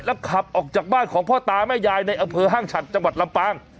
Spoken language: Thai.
ขับออกจากบ้านของพ่อตาแม่ยายในอำเภอห้างฉัดจังหวัดลำปาง